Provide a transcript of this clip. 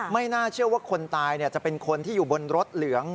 น่าเชื่อว่าคนตายจะเป็นคนที่อยู่บนรถเหลือง